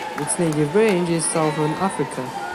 Its native range is Southern Africa.